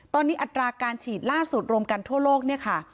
ตอนนี้อัตราการฉีดล่าสุดรวมกันทั่วโลกเนี่ยค่ะ